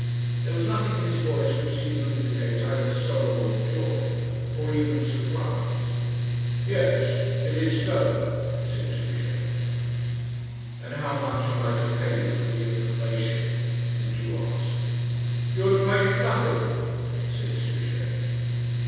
There was nothing in his voice which seemed to indicate either sorrow or joy, or even surprise. "Yes, it is so," said Souchey. "And how much am I to pay you for the information?" the Jew asked. "You are to pay me nothing," said Souchey.